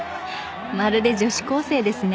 まるで女子高生ですね］